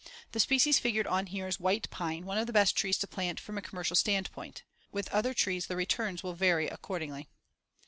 The species figured on here is white pine, one of the best trees to plant from a commercial standpoint. With other trees, the returns will vary accordingly.